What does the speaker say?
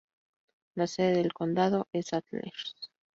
La sede del condado es Antlers.